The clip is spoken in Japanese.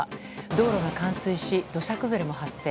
道路が冠水し土砂崩れも発生。